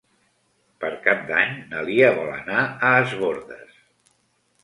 Per Cap d'Any na Lia vol anar a Es Bòrdes.